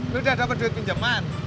lo udah dapet duit pinjeman